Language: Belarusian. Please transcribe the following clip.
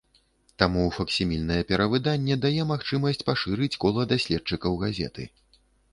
Таму факсімільнае перавыданне дае магчымасць пашырыць кола даследчыкаў газеты.